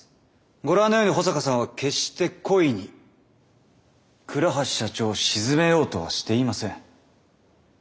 ご覧のように保坂さんは決して故意に倉橋社長を沈めようとはしていません。